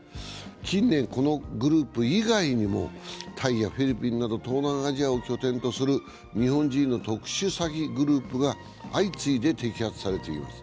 近年、このグループ以外にもタイやフィリピンなど東南アジアを拠点とする日本人の特殊詐欺グループが相次いで摘発されています。